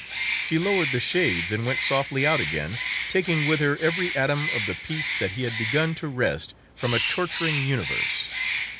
She lowered the shades and went softly out again, taking with her every atom of the peace that he had begun to wrest from a torturing universe.